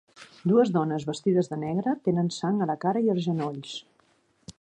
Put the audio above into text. Dues dones vestides de negre tenen sang a la cara i als genolls.